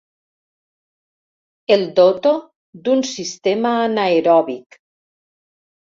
El doto d'un sistema anaeròbic.